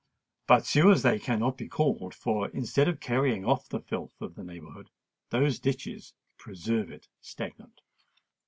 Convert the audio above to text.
But sewers they cannot be called—for instead of carrying off the filth of the neighbourhood, those ditches preserve it stagnant.